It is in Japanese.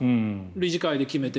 理事会で決めて。